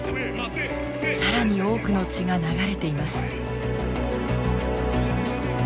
更に多くの血が流れています。